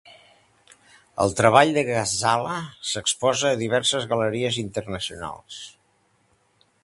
El treball de Ghazala s'exposa a diverses galeries internacionals.